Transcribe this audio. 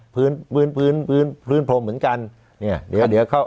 พื้นพื้นพื้นพรมเหมือนกันเนี่ยเดี๋ยวเดี๋ยวเข้า